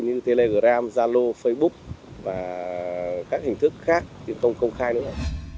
như telegram zalo facebook và các hình thức khác tìm công khai nữa